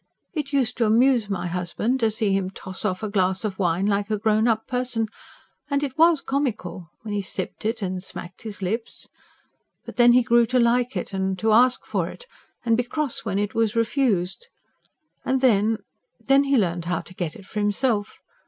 It used to amuse my husband to see him toss off a glass of wine like a grown up person; and it WAS comical, when he sipped it, and smacked his lips. But then he grew to like it, and to ask for it, and be cross when he was refused. And then... then he learnt how to get it for himself.